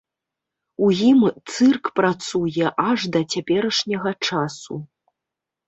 У ім цырк працуе аж да цяперашняга часу.